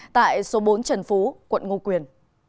tại số bốn trần phú quận ngo quyền